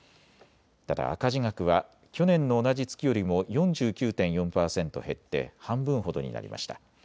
ただ赤字額は去年の同じ月よりも４９．４％減って半分ほどになりました。